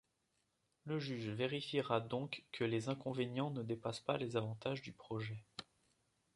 Le juge vérifiera donc que les inconvénients ne dépassent pas les avantages du projet.